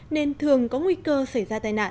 nên thường có nguy cơ xảy ra tai nạn